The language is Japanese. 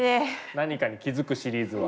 何かに気付くシリーズは。